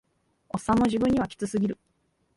オッサンの自分にはキツすぎる